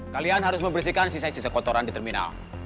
kalian harus membersihkan sisa sisa kotoran di terminal